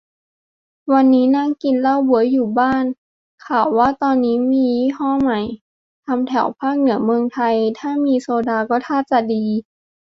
วันนี้นั่งกินเหล้าบ๊วยอยู่บ้าน ข่าวว่าตอนนี้มียี่ห้อใหม่ ทำแถวภาคเหนือเมืองไทย ถ้ามีโซดาก็ท่าจะดี